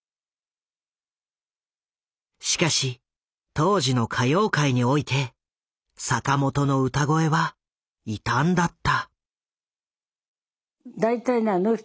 しかし当時の歌謡界において坂本の歌声は異端だった。